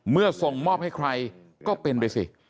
ส่งมอบให้ใครก็เป็นไปสิ